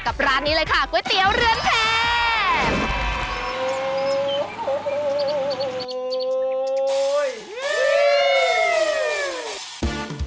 ร้านนี้เลยค่ะก๋วยเตี๋ยวเรือนแพง